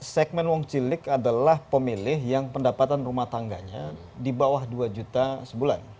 segmen wong cilik adalah pemilih yang pendapatan rumah tangganya di bawah dua juta sebulan